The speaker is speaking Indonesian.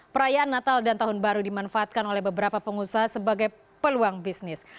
perayaan natal dan tahun baru dimanfaatkan oleh beberapa pengusaha sebagai peluang bisnis